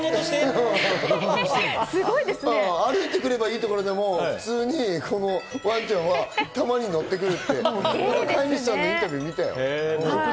うん、歩いてきてもいいところを、このワンちゃんはたまに乗ってくるって、飼い主さんのインタビューを見たよ。